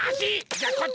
じゃこっち！